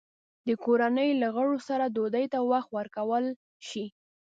د کورنۍ له غړو سره ډوډۍ ته وخت ورکول شي؟